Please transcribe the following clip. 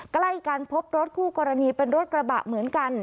ใกล้กันพบรถคู่กรณีเป็นรถกระบะเหมือนกัน